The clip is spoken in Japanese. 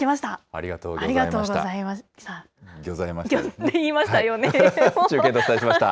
ありがとうギョザいました。